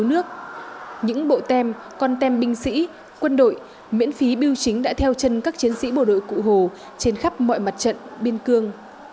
những bộ tem con tem binh sĩ quân đội miễn phí biêu chính đã theo chân các chiến sĩ bộ đội cụ hồ trên khắp mọi mặt trận biên cương